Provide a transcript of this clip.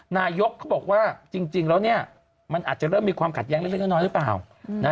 นายกเขาบอกว่าจริงแล้วเนี่ยมันอาจจะเริ่มมีความขัดแย้งเล็กน้อยหรือเปล่า